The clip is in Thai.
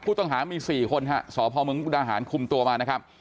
ผู้ต้องหามี๔คนค่ะสพมมคุมตัวมานะครับ